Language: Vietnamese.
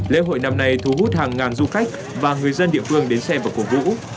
lễ hội năm nay thu hút hàng ngàn du khách và người dân địa phương đến xem và cổ vũ